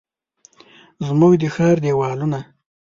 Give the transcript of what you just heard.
زموږ د ښار دیوالونه،